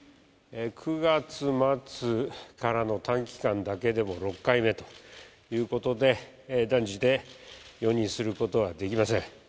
９月末からの短期間だけでも６回目ということで、断じて容認することはできません。